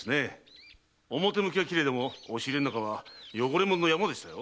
表向きは綺麗でも押し入れの中は汚れものの山でしたよ。